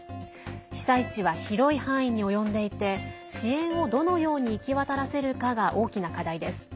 被災地は広い範囲に及んでいて支援をどのように行き渡らせるかが大きな課題です。